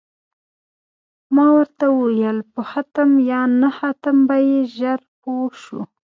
ما ورته وویل: په ختم یا نه ختم به یې ژر پوه شو.